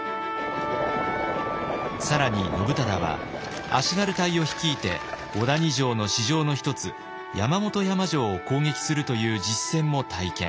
更に信忠は足軽隊を率いて小谷城の支城の一つ山本山城を攻撃するという実戦も体験。